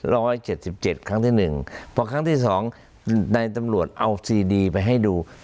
ร้อยเจ็ดสิบเจ็ดครั้งที่หนึ่งพอครั้งที่สองในตำรวจเอาซีดีไปให้ดู